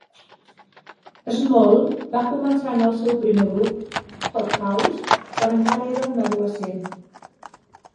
Small va començar en el seu primer grup, Hot House, quan encara era una adolescent.